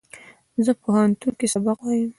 زه په پوهنتون کښې سبق وایم